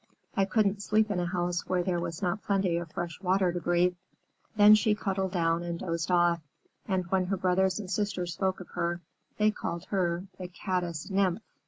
I couldn't sleep in a house where there was not plenty of fresh water to breathe." Then she cuddled down and dozed off, and when her brothers and sisters spoke of her, they called her "the Caddis Nymph."